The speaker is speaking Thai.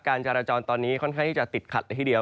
การจราจรตอนนี้ค่อนข้างที่จะติดขัดเลยทีเดียว